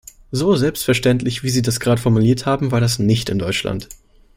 So selbstverständlich, wie Sie das gerade formuliert haben, war das nicht in Deutschland.